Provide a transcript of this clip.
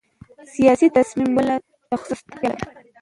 سیاسي تصمیم نیونه تخصص ته اړتیا لري